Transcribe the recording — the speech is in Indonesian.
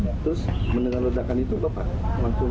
terus mendengar ledakan itu bapak